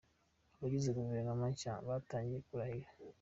Abagize Guverinoma nshya batangiye kurahira.